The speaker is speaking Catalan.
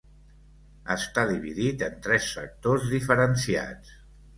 Està dividit en tres sectors diferenciats.